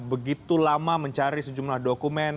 begitu lama mencari sejumlah dokumen